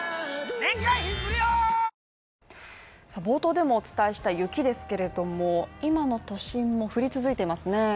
冒頭でもお伝えした雪ですけれども今の都心も降り続いていますね。